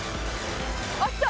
あっきた！